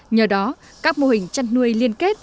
nhờ đó các mô hình chăn nuôi liên kết